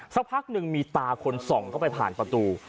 สักพักหนึ่งมีตาคนส่องเข้าไปผ่านประตู